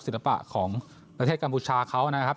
ศิลปะของประเทศกัมพูชาเขานะครับ